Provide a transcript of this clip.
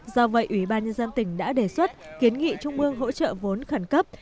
do vậy ủy ban nhân dân tỉnh đã đề xuất kiến nghị trung ương hỗ trợ vốn khẩn cấp